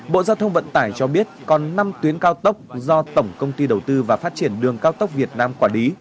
bộ giao thông vận tải cho biết còn năm tuyến cao tốc do tổng công ty đầu tư và phát triển đường cao tốc việt nam quản lý